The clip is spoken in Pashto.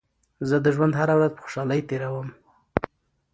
زه د ژوند هره ورځ په خوشحالۍ تېروم.